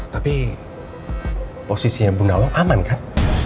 tapi posisinya bu nawang aman kan